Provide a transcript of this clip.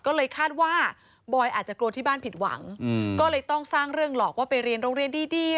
ก็เลยคาดว่าบอยอาจจะกลัวที่บ้านผิดหวังก็เลยต้องสร้างเรื่องหลอกว่าไปเรียนโรงเรียนดี